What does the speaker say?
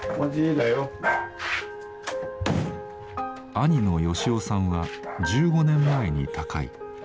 兄の良雄さんは１５年前に他界。